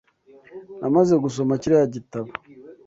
Namaze gusoma kiriya gitabo.